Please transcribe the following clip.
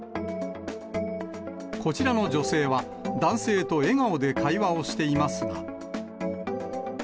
こちらの女性は、男性と笑顔で会話をしていますが。